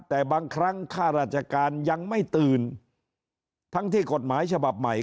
แต่บางครั้งค่าราชการยังไม่ตื่นทั้งที่กฎหมายฉบับใหม่